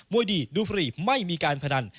วยดีดูฟรีไม่มีการพนัน